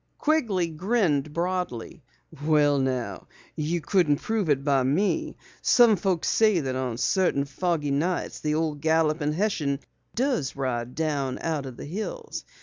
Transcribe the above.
Quigley grinned broadly. "Well, now, you couldn't prove it by me. Some folks say that on certain foggy nights the old Galloping Hessian does ride down out of the hills.